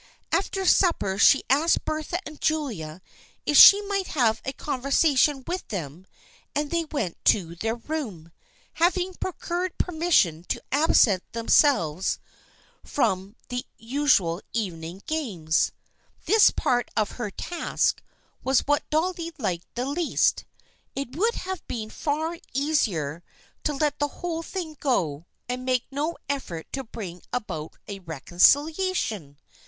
After supper she asked Bertha and Julia if she might have a con versation with them, and they went to their room, having procured permission to absent themselves 270 THE FRIENDSHIP OF ANNE from the usual evening games. This partof her task was what Dolly liked the least. It would have been far easier to let the whole thing go, and make no effort to bring about a reconciliation.